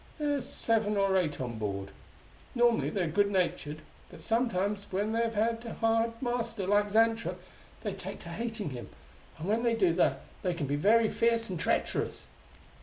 There're seven or eight on board. Normally they are good natured: but sometimes when they have a hard master, like Xantra, they take to hating him; and when they do that they can be very fierce and treacherous.